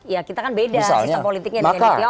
ya kita kan beda sistem politiknya